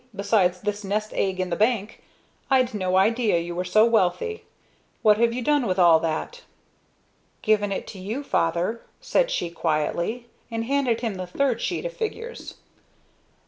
besides this nest egg in the bank I'd no idea you were so wealthy. What have you done with all that?" "Given it to you, Father," said she quietly, and handed him the third sheet of figures.